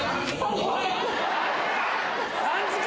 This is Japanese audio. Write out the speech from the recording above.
３時間！？